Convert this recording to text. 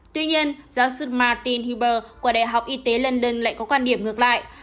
tuy nhiên giáo sư mattin huber của đại học y tế london lại có quan điểm ngược lại